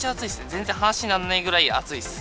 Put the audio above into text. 全然話になんないぐらい暑いです。